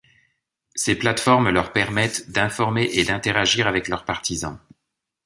Ces plateformes leur permettent d’informer et d’interagir avec leurs partisans.